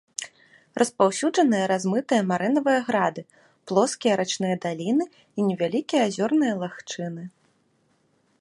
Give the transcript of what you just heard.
Распаўсюджаныя размытыя марэнавыя грады, плоскія рачныя даліны і невялікія азёрныя лагчыны.